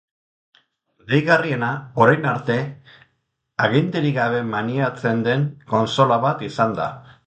Deigarriena, orain arte, aginterik gabe maneiatzen den kontsola bat izan da.